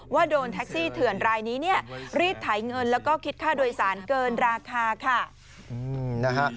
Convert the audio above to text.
ว่าโดนแท็กซี่เถือนรายนี้รีดไถเงินและคิดฆ่าโดยสารเกินราคา